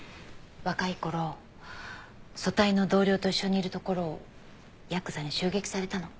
若い頃組対の同僚と一緒にいるところをヤクザに襲撃されたの。